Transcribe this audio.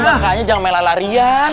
makanya jangan main larian